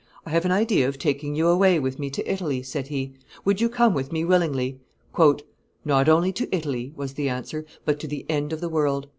"I have an idea of taking you away with me to Italy," said he: "would you come with me willingly?" "Not only to Italy," was the answer, "but to the end of the world.